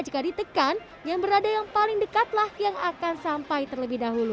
jika ditekan yang berada yang paling dekat lah yang akan sampai terlebih dahulu